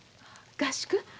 合宿？